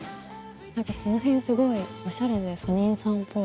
何かこの辺すごいオシャレでソニンさんっぽい。